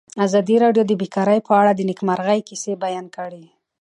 ازادي راډیو د بیکاري په اړه د نېکمرغۍ کیسې بیان کړې.